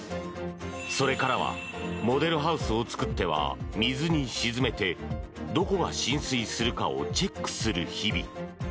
それからは、モデルハウスを作っては水に沈めてどこが浸水するかをチェックする日々。